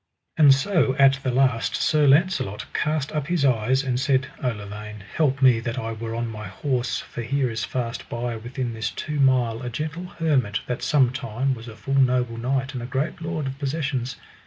And so at the last Sir Launcelot cast up his eyes, and said: O Lavaine, help me that I were on my horse, for here is fast by within this two mile a gentle hermit that sometime was a full noble knight and a great lord of possessions.